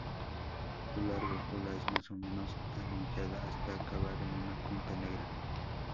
Su larga cola es más o menos anillada, hasta acabar en una punta negra.